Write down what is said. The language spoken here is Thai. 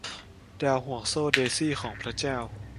ดาวห่วงโซ่เดซี่ของพระเจ้า